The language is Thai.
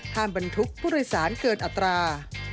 บรรทุกผู้โดยสารเกินอัตรา